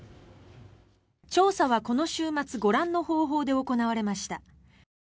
調査はこの週末ご覧の方法で行われました。